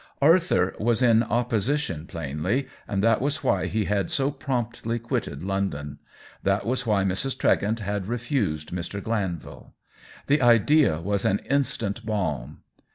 Arthur was in opposition, plainly, and that was why he had so promptly quitted London ; that was why Mrs. Tregent had re fused Mr. Glanvil. The idea was an instant balm.